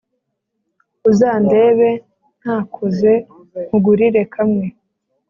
Uzandebe ntakoze nkugurire kamwe